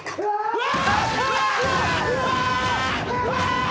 うわ！